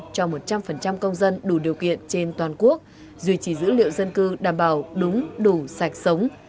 cho một trăm linh công dân đủ điều kiện trên toàn quốc duy trì dữ liệu dân cư đảm bảo đúng đủ sạch sống